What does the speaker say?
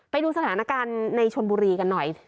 ไปดูสถานการณ์ในชนบุรีกันหน่อย